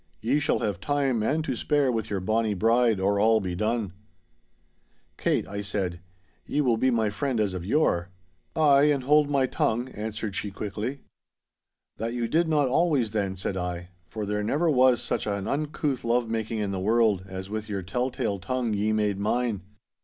Ye shall have time and to spare with your bonny bride or all be done.' 'Kate,' I said, 'ye will be my friend as of yore.' 'Ay, and hold my tongue,' answered she quickly. 'That you did not always, then,' said I, 'for there never was such an uncouth love making in the world, as with your tell tale tongue ye made mine.